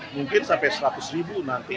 mungkin sampai seratus ribu nanti